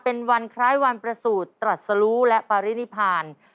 เป็นวันคล้ายวันประสูจน์ตรัสรู้และปรินิพาน